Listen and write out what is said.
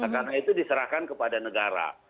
karena itu diserahkan kepada negara